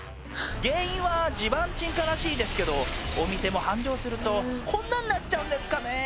原因は地盤沈下らしいですけどお店も繁盛するとこんなになっちゃうんですかね